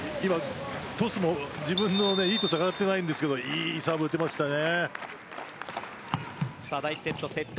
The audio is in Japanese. トスも自分にいいトス上がっていないんですがいいサーブ、打てましたね。